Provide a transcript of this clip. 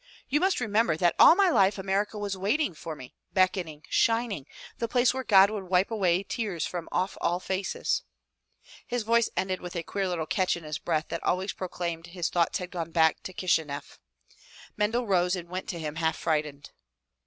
You must remember that all my life America was waiting for me, beckoning, shining — the place where God would wipe away tears from off all faces/' His voice ended with a queer little catch in his breath that always proclaimed his thoughts had gone back to Kishineff. Mendel rose and went to him half frightened.